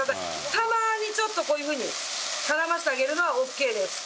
たまにちょっとこういうふうに絡ませてあげるのはオッケーです。